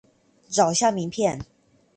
找一下名片